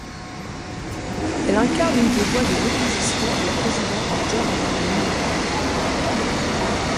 Elle incarne une des voix de l'opposition au président John Dramani Mahama.